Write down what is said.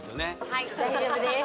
はい大丈夫です